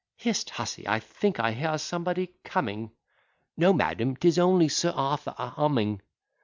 "Hist, hussey, I think I hear somebody coming " "No madam: 'tis only Sir Arthur a humming.